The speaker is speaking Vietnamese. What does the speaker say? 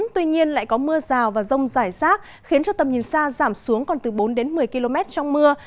tuy nhiên lại có mưa rào và rông rải rác khiến cho tầm nhìn xa giảm xuống còn từ bốn đến một mươi km trong mưa